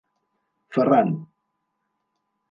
Ferran.